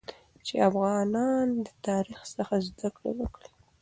چې افغانان د تاریخ څخه زده کړه وکړي